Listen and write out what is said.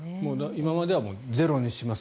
今まではゼロにします